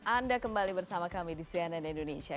anda kembali bersama kami di cnn indonesia